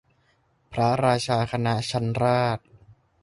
พระราชาคณะชั้นราช